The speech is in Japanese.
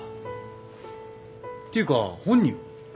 ていうか本人は？